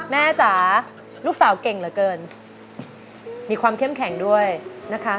จ๋าลูกสาวเก่งเหลือเกินมีความเข้มแข็งด้วยนะคะ